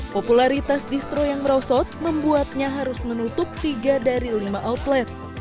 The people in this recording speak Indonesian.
popularitas distro yang merosot membuatnya harus menutup tiga dari lima outlet